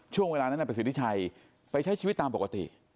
ช่วงเวลานั้นนายประสิทธิชัยไปใช้ชีวิตตามปกติ